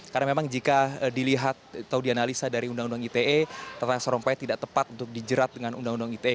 karena memang jika dilihat atau dianalisa dari undang undang ite ratang sarumpait tidak tepat untuk dijerat dengan undang undang ite